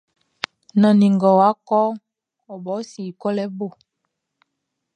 Nannin ngʼɔ́ wá kɔ́ʼn, ɔ bo i sin kɔlɛ bo.